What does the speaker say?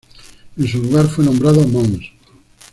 En su lugar fue nombrado Mons.